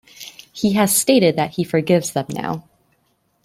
He has stated that he forgives them now.